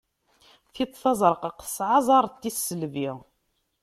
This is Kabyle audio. Tiṭ tazeṛqaqt tesɛa aẓar n tisselbi.